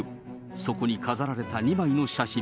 そこに飾られた２枚の写真。